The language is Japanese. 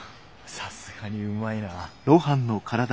さすがにうまいなぁ。